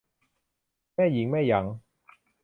แม่หญิงแม่หยัง